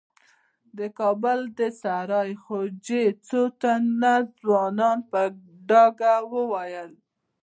د کابل د سرای خوجې څو تنو ځوانانو په ډاګه وويل.